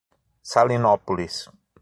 Salinópolis